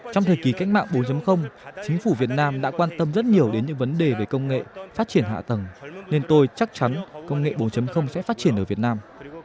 trong thời kỳ cách mạng bốn chính phủ việt nam đã quan tâm rất nhiều đến những vấn đề về công nghệ phát triển hạ tầng nên tôi chắc chắn công nghệ bốn sẽ phát triển ở việt nam